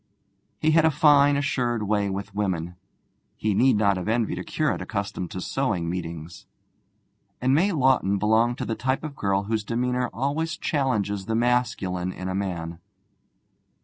He had a fine assured way with women (he need not have envied a curate accustomed to sewing meetings), and May Lawton belonged to the type of girl whose demeanour always challenges the masculine in a man.